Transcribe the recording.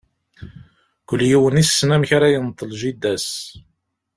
Kul yiwen, issen amek ara yenṭel jida-s.